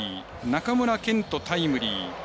中村健人、タイムリー。